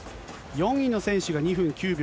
４位の選手が２分９秒